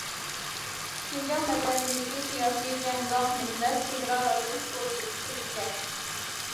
شىنجاڭ مەدەنىيىتى‹‹ سىياسىي، جەڭگاھ، مىللەت، چېگرا رايون›› خۇسۇسىيىتىگە ئىگە.